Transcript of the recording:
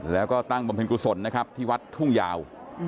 แล้วก็ตั้งบำเพ็ญกุศลนะครับที่วัดทุ่งยาว